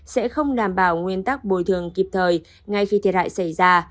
sẽ không đảm bảo nguyên tắc bồi thường kịp thời ngay khi thiệt hại xảy ra